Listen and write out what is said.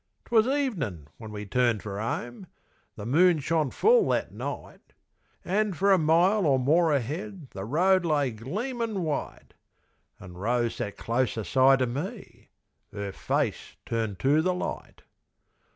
'Twas ev'nin' when we turned for 'ome: The moon shone full that night: An' for a mile or more ahead The road lay gleamin' white: An' Rose sat close aside o' me. 'Er face turned to the light.